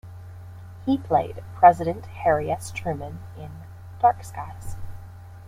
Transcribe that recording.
He played President Harry S. Truman in "Dark Skies".